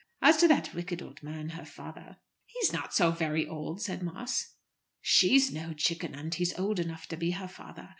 "As to that wicked old man, her father " "He's not so very old," said Moss. "She's no chicken, and he's old enough to be her father.